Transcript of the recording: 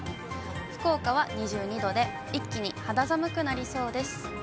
福岡は２２度で、一気に肌寒くなりそうです。